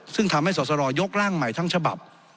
ซึ่งทำให้สอสรยกร่างใหม่ทั้งฉบับ